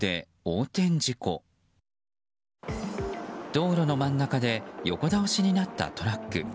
道路の真ん中で横倒しになったトラック。